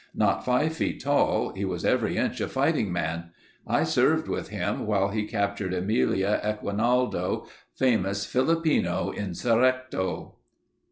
Not five feet tall, he was every inch a fighting man. I served with him while he captured Emilio Aguinaldo, famous Filipino Insurrecto.